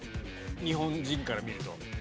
日本人から見ると。